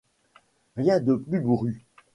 Rien de plus bourru.